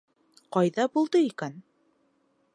Ҡайҙа булды икән?